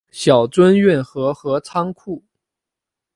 小樽运河和仓库